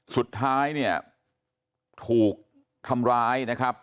สุดท้ายเนี่ยถูกทำร้ายนะครับ